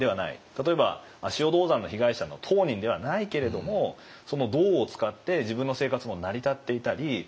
例えば足尾銅山の被害者の当人ではないけれども銅を使って自分の生活も成り立っていたりこの社会で一緒に生きている。